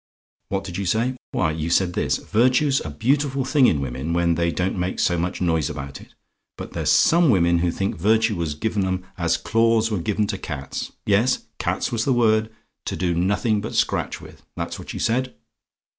"WHAT DID YOU SAY? "Why, you said this: 'Virtue's a beautiful thing in women, when they don't make so much noise about it: but there's some women who think virtue was given 'em, as claws were given to cats' yes, cats was the word 'to do nothing but scratch with.' That's what you said.